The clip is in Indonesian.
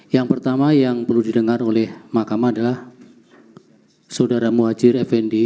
yang pertama yang perlu didengar oleh mahkamah adalah saudara muhajir effendi